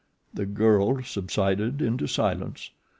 The girl subsided into silence.